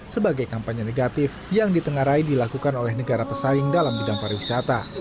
sebagai kampanye negatif yang ditengarai dilakukan oleh negara pesaing dalam bidang pariwisata